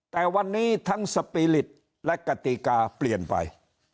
แต่วันนี้ทั้งสปีริตและกติกาเปลี่ยนไป